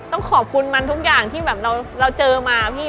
ต้องขอบคุณมันทุกอย่างที่แบบเราเจอมาพี่